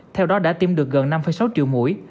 theo đó đã tiêm được gần năm sáu triệu mũi